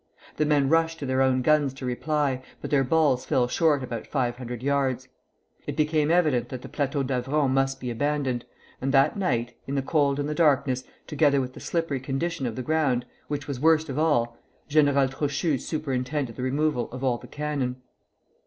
The men rushed to their own guns to reply, but their balls fell short about five hundred yards. It became evident that the Plateau d'Avron must be abandoned, and that night, in the cold and the darkness, together with the slippery condition of the ground, which was worst of all, General Trochu superintended the removal of all the cannon.